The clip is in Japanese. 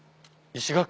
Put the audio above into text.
石垣？